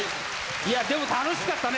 いやでも楽しかったね。